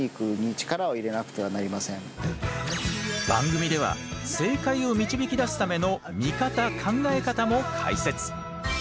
番組では正解を導き出すための見方考え方も解説。